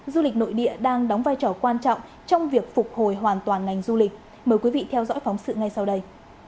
du lịch nội địa đang đóng vai trò quan trọng trong việc phục hồi hoàn toàn ngành du lịch mời quý vị theo dõi phóng sự ngay sau đây